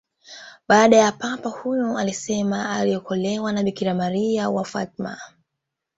Baadae Papa huyo alisema aliokolewa na Bikira Maria wa Fatima